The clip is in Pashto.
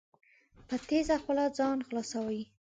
په تېزه خوله ځان خلاصوي.